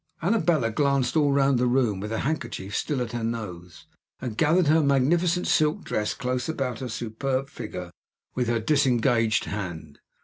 Annabella glanced all round the room, with her handkerchief still at her nose, and gathered her magnificent silk dress close about her superb figure with her disengaged hand.